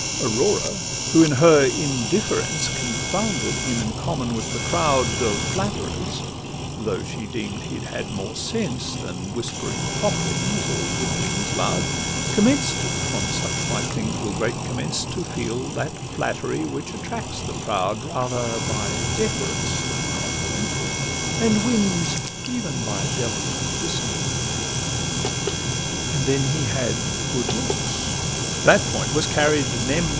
Aurora, who in her indifference Confounded him in common with the crowd Of flatterers, though she deem'd he had more sense Than whispering foplings, or than witlings loud— Commenced (from such slight things will great commence) To feel that flattery which attracts the proud Rather by deference than compliment, And wins even by a delicate dissent. And then he had good looks;—that point was carried Nem.